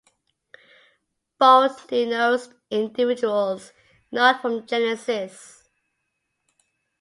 Bold denotes individuals not from Genesis.